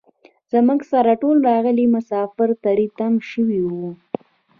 زموږ سره ټول راغلي مسافر تري تم شوي وو.